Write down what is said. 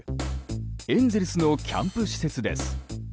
エンゼルスのキャンプ施設です。